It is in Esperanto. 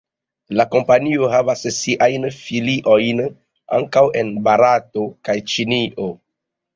La kompanio havas siajn filiojn ankaŭ en Barato kaj Ĉinio.